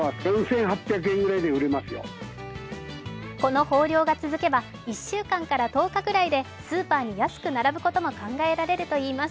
この豊漁が続けば１週間から１０日ぐらいでスーパーに安く並ぶことも考えられるといいます。